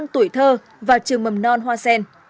tuổi thơ và trường mầm non hoa sen